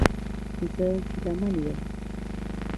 زه ګیلمن یم